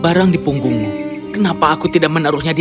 apa maka perjalananku ini tidak akan terjadi